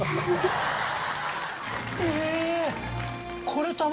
え⁉これ卵？